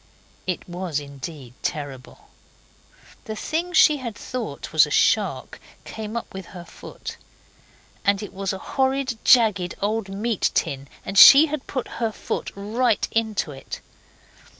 It was indeed terrible. The thing she thought was a shark came up with her foot, and it was a horrid, jagged, old meat tin, and she had put her foot right into it.